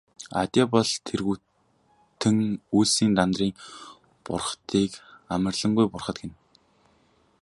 Арьяабал тэргүүтэн үйлсийн Дандарын бурхдыг амарлингуй бурхад гэнэ.